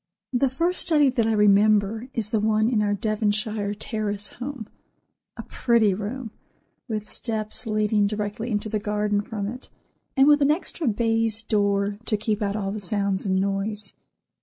The first study that I remember is the one in our Devonshire Terrace home, a pretty room, with steps leading directly into the garden from it, and with an extra baize door to keep out all sounds and noise.